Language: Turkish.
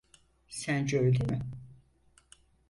Sence öyle mi?